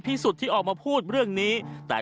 พี่สุดที่ออกมาพูดเรื่องนี้